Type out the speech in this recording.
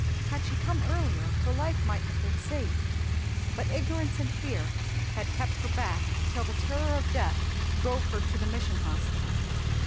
Had she come earlier her life might have been saved, but ignorance and fear had kept her back till the terror of Death drove her to the Mission Hospital.